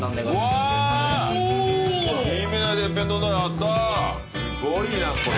すごいなこれ。